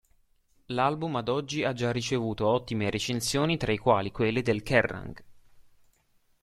L'album ad oggi ha già ricevuto ottime recensioni tra i quali quelle del Kerrang!